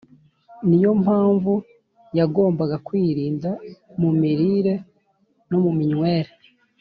Niyo mpamvu yagombaga kwirinda mu mirire no mu minywere